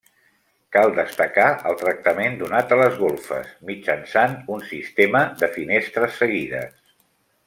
Cal destacar el tractament donat a les golfes, mitjançant un sistema de finestres seguides.